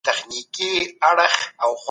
سالم ذهن خوښي نه زیانمنوي.